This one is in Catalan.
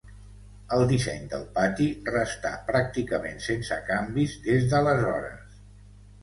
El disseny del patí restà pràcticament sense canvis des d'aleshores.